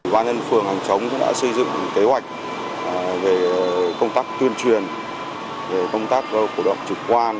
văn nhân phường hàng chống đã xây dựng kế hoạch về công tác tuyên truyền về công tác cổ động trực quan